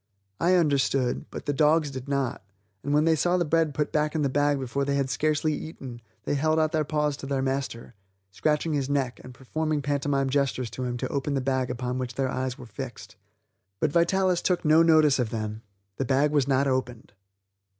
I understood, but the dogs did not, and when they saw the bread put back in the bag before they had scarcely eaten, they held out their paws to their master, scratching his neck, and performing pantomime gestures to make him open the bag upon which their eyes were fixed. But Vitalis took no notice of them; the bag was not opened.